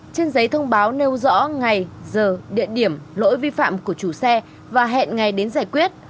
trên giấy thông báo nêu rõ ngày giờ địa điểm lỗi vi phạm của chủ xe và hẹn ngày đến giải quyết